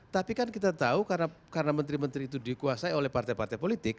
tapi kan kita tahu karena menteri menteri itu dikuasai oleh partai partai politik